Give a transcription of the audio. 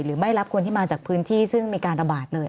รับคนที่มาจากพื้นที่ซึ่งมีการระบาดเลย